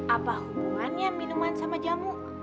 apa hubungannya minuman sama jamu